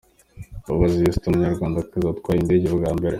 Mbabazi Esther umunyarwandakazi watwaye indege bwa mbere.